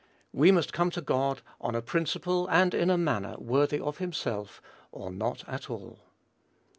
We must come to God on a principle and in a manner worthy of himself, or not at all.